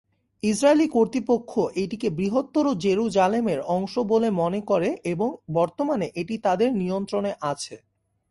Israeli কর্তৃপক্ষ এটিকে বৃহত্তর জেরুজালেমের অংশ বলে মনে করে এবং বর্তমানে এটি তাদের নিয়ন্ত্রণে আছে।